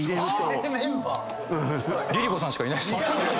ＬｉＬｉＣｏさんしかいないっすね。